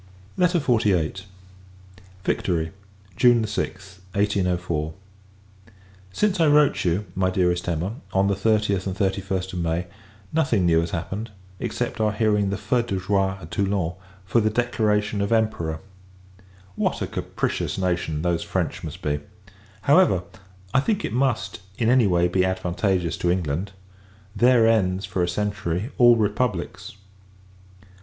LETTER XLVIII. Victory, June 6th, 1804. Since I wrote you, my Dearest Emma, on the 30th and 31st May, nothing new has happened; except our hearing the feu de joie at Toulon, for the declaration of Emperor. What a capricious nation those French must be! However, I think it must, in any way, be advantageous to England. There ends, for a century, all republics!